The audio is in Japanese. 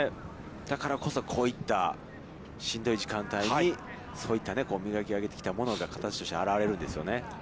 だからこそこういったしんどい時間帯にそういった磨き上げてきたものが形としてあらわれるんですね。